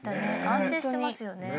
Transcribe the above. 安定してますよね。